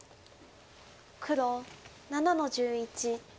黒７の十一。